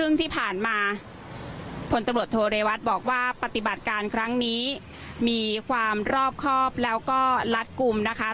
ซึ่งที่ผ่านมาพลตำรวจโทเรวัตบอกว่าปฏิบัติการครั้งนี้มีความรอบครอบแล้วก็ลัดกลุ่มนะคะ